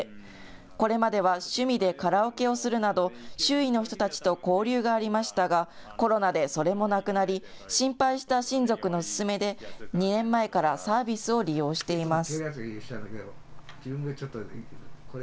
これまでは趣味でカラオケをするなど周囲の人たちと交流がありましたが、コロナでそれもなくなり心配した親族の勧めで２年前からサービスを利用しています。